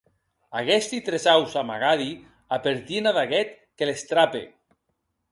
Aguesti tresaurs amagadi apertien ad aqueth que les trape.